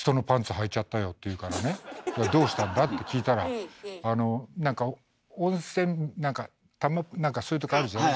「どうしたんだ？」って聞いたらなんか温泉そういうとこあるじゃない。